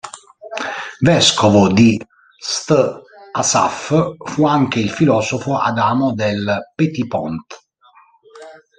Vescovo di St Asaph fu anche il filosofo Adamo del Petit-Pont.